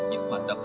những hoạt động